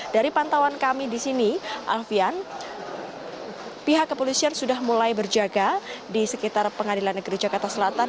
dari pantauan kami di sini alfian pihak kepolisian sudah mulai berjaga di sekitar pengadilan negeri jakarta selatan